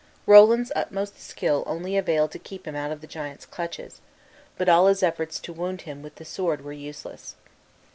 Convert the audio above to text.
Roland's utmost skill only availed to keep him out of the giant's clutches, but all his efforts to wound him with the sword were useless.